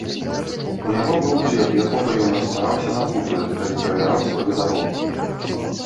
У яго быў хлеб, якога ён расстараўся на хутары, калі правяраў сваю дарогу.